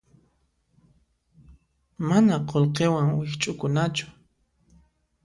Mana qullqiwan wikch'ukunachu.